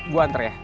gue antar ya